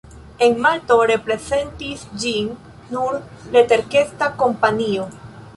En Malto reprezentis ĝin nur leterkesta kompanio.